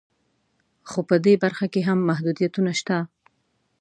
خو په دې برخه کې هم محدودیتونه شته